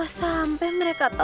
tak santa di kendala